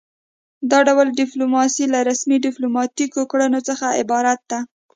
دا ډول ډیپلوماسي له رسمي ډیپلوماتیکو کړنو څخه عبارت ده